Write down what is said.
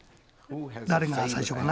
誰が最初かな？